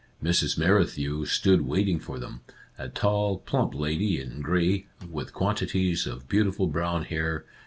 Mrs. Merrithew stood waiting for them, a tall, plump lady in gray, with quantities of beautiful brown hair.